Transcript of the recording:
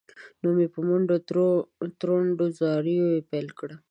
نو مې په منډو تروړ، زاریو یې پیل وکړ.